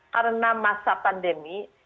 karena masa pandemi